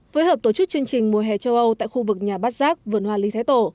phối hợp tổ chức chương trình mùa hè châu âu tại khu vực nhà bát giác vườn hoa lý thái tổ